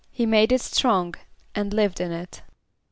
=He made it strong and lived in it.